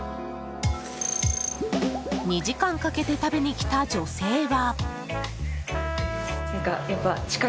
２時間かけて食べに来た女性は。